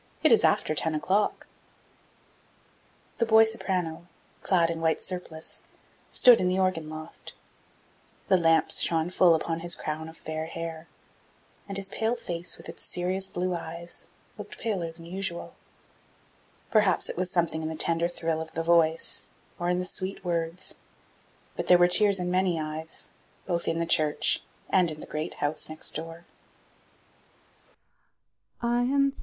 It is after ten o'clock." The boy soprano, clad in white surplice, stood in the organ loft. The lamps shone full upon his crown of fair hair, and his pale face, with its serious blue eyes, looked paler than usual. Perhaps it was something in the tender thrill of the voice, or in the sweet words, but there were tears in many eyes, both in the church and in the great house next door.